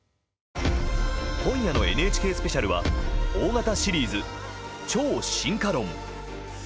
今夜のＮＨＫスペシャルは大型シリーズ「超・進化論」。